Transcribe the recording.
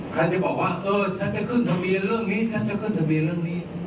ใครจะบอกว่าเออฉันจะขึ้นทะเบียนเรื่องนี้